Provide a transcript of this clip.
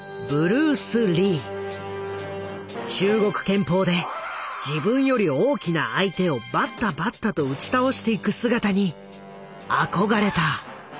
中国拳法で自分より大きな相手をバッタバッタと打ち倒していく姿に憧れた。